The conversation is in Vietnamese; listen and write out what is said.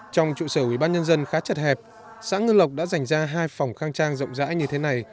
trong trụ sở ủy ban nhân dân khá chật hẹp xã ngân lộc đã dành ra hai phòng khang trang rộng rãi như thế này